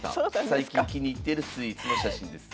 最近気に入ってるスイーツの写真です。